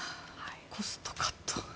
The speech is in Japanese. コストカット。